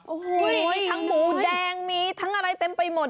โอ้โหมีทั้งหมูแดงมีทั้งอะไรเต็มไปหมด